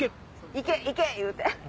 いけいけ言うて。